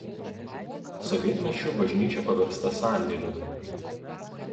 Sovietmečiu bažnyčia paversta sandėliu.